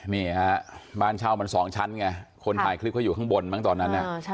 นี่ฮะบ้านเช่ามัน๒ชั้นไงคนถ่ายคลิปเขาอยู่ข้างบนมั้งตอนนั้น